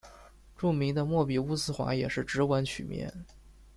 著名的莫比乌斯环也是直纹曲面。